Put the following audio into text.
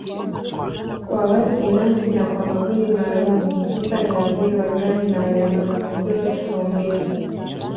kwa watu binafsi na kwa makundi maalumu hususani wazee wajane na walemavu hupewa kipaumbele